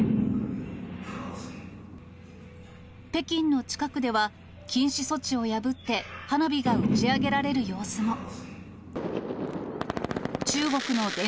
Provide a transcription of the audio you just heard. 北京の近くでは、禁止措置を破って花火が打ち上げられる様子も。